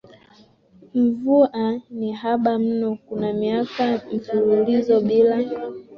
Mvua ni haba mno kuna miaka mfululizo bila